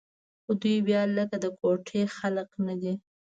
خو دوى بيا لکه د کوټې خلق نه دي.